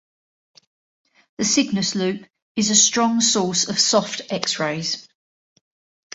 The Cygnus Loop is a strong source of soft X-rays.